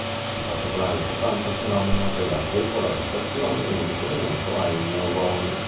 Di particolare importanza è il fenomeno della depolarizzazione in riferimento ai neuroni.